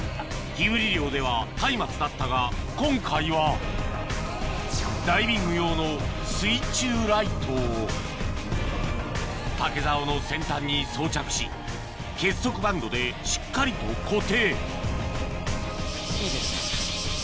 火振り漁ではたいまつだったが今回はダイビング用の水中ライトを竹ざおの先端に装着し結束バンドでしっかりと固定いいですね。